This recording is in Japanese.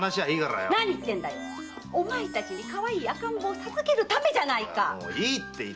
何だいお前たちにかわいい赤ん坊を授けるためじゃないか！